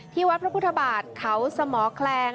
วัดพระพุทธบาทเขาสมแคลง